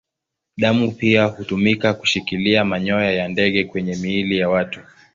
Damu pia hutumika kushikilia manyoya ya ndege kwenye miili ya watu.